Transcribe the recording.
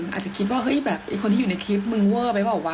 อาจจะคิดว่าเฮ้ยแบบไอ้คนที่อยู่ในคลิปมึงเวอร์ไปเปล่าวะ